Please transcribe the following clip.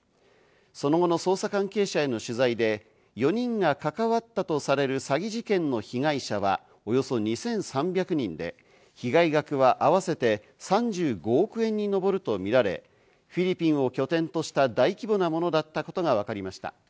その後の捜査関係者への取材で、４人が関わったとされる詐欺事件の被害者は、およそ２３００人で、被害額は合わせて３５億円に上るとみられ、フィリピンを拠点とした大規模なものだったことがわかりました。